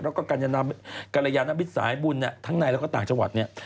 แล้วก็กรยานมิตรสายบุญทั้งในแล้วก็ต่างจังหวัดเนี่ย